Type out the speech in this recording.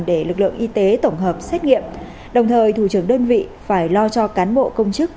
để lực lượng y tế tổng hợp xét nghiệm đồng thời thủ trưởng đơn vị phải lo cho cán bộ công chức